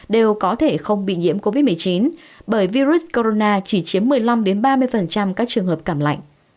đều có thể không bị nhiễm covid một mươi chín bởi virus corona chỉ chiếm một mươi năm ba mươi các trường hợp cảm lạnh